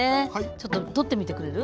ちょっと取ってみてくれる？